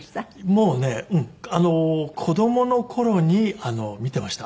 もうね子供の頃に見てました。